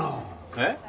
えっ？